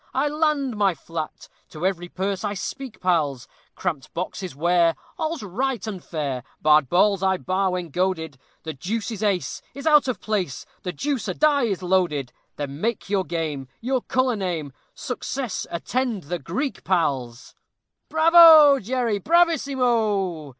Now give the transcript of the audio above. I land my flat! To every purse I speak, pals. Cramped boxes 'ware, all's right and fair, Barred balls I bar when goaded; The deuce an ace is out of place! The deuce a die is loaded! Then make your game, Your color name; Success attend the Greek, pals. "Bravo, Jerry bravissimo!"